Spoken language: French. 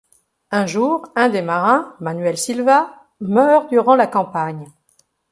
Un jour, un des marins, Manuel Silva, meurt durant la campagne.